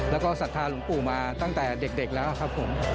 แล้วก็ศรัทธาหลวงปู่มาตั้งแต่เด็กแล้วครับผม